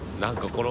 これ。